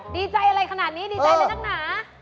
ดีใจอะไรขนาดนี้ดีใจแน่